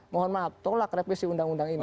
mohon maaf tolak revisi undang undang ini